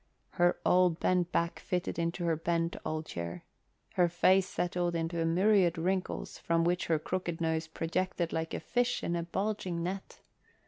Her old bent back fitted into her bent old chair. Her face settled into a myriad wrinkles from which her crooked nose projected like a fish in a bulging net.